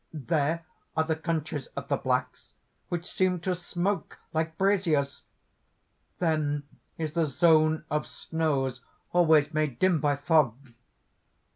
There are the countries of the blacks, which seem to smoke like brasiers! then is the zone of snows always made dim by fog!